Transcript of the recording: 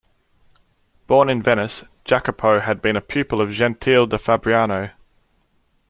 Born in Venice, Jacopo had been a pupil of Gentile da Fabriano.